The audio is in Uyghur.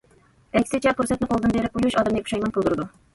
ئەكسىچە پۇرسەتنى قولدىن بېرىپ قويۇش ئادەمنى پۇشايمان قىلدۇرىدۇ.